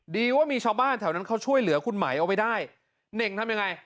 ดีว่ามีชาวบ้านแถวนั้นเขาช่วยเหลือคุณไหมเอาไว้ได้เน่งทำยังไง